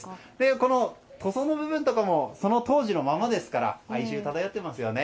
この塗装の部分なども当時のままですから哀愁が漂ってますよね。